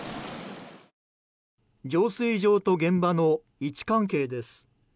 浄水場と現場の位置関係です。